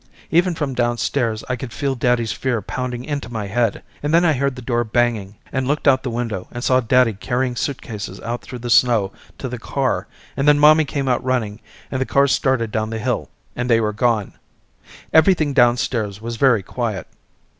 Even from downstairs I could feel daddy's fear pounding into my head and then I heard the door banging and looked out the window and saw daddy carrying suitcases out through the snow to the car and then mommy came out running and the car started down the hill and they were gone. Everything downstairs was very quiet.